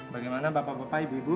bagaimana bapak bapak ibu ibu